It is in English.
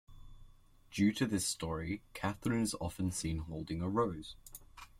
Due to this story, Catherine is often seen holding a rose.